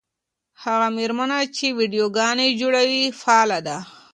هغه مېرمنه چې ویډیوګانې جوړوي فعاله ده.